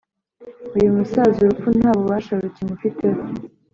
Uyumusaza urupfu nta bubasha rukimufiteho